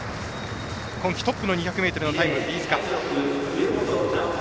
今季トップの２００ｍのタイム飯塚。